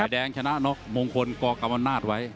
ฝ่ายแดงชนะนกมงคลกกรรมนาศไว้